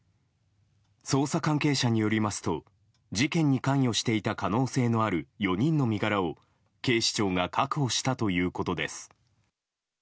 捜査関係者によりますと事件に関与していた可能性のある４人の身柄を警視庁が確保したということです。